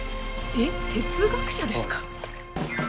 えっ哲学者ですか？